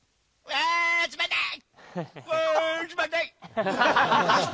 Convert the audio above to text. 「あ冷たい！」